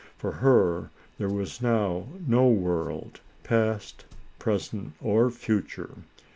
For her there was now no world, past, present, or future.